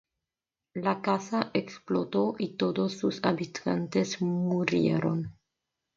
La casa explotó y todos sus habitantes murieron.